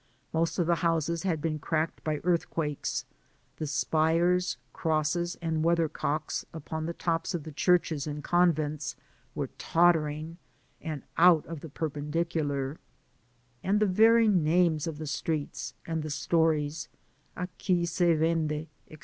Most of the houses had been cracked by earthquakes; the spires, crosses, and weathercocks, upon the tops of the churches and convents, were tottering, and out of the perpendi cular ; and the very names of the streets, and the stories " Aqui se vende, &c.